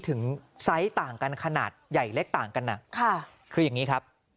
ไซส์ต่างกันขนาดใหญ่เล็กต่างกันคืออย่างนี้ครับ